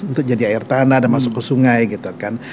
untuk jadi air tanah dan masuk ke sungai gitu kan